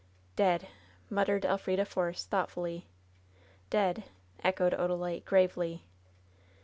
"Dead !" muttered Elf rida Force, thoughtfully. "Dead!" echoed Odalite, gravely.